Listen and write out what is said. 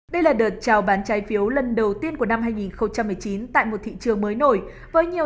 đây là đợt trao bán trái phiếu lần đầu tiên của năm hai nghìn một mươi chín tại một thị trường mới nổi với nhiều